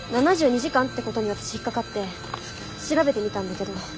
７２時間ってことに私引っ掛かって調べてみたんだけど。